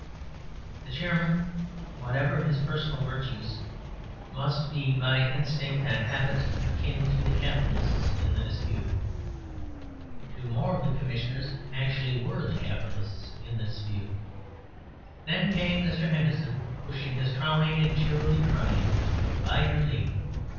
The Chairman, whatever his personal virtues, must be by instinct and habit akin to the capitalists in the dispute. Two more of the Commissioners actually were the capitalists in the dispute. Then came Mr. Henderson (pushing his trolley and cheerily crying, "By your leave.")